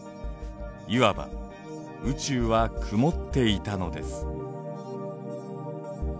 いわば宇宙は「曇って」いたのです。